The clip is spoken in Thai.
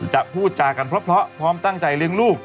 พูดจากันเพราะพร้อมตั้งใจเลี้ยงลูก